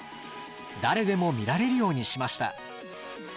誰でも見られるようにしました。